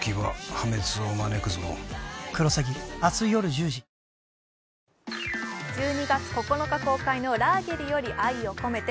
１２月９日公開の「ラーゲリより愛を込めて」